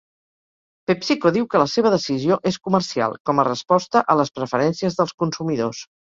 PepsiCo diu que la seva decisió és comercial, com a resposta a les preferències dels consumidors.